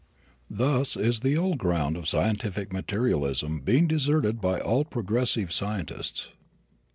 Thus is the old ground of scientific materialism being deserted by all progressive scientists.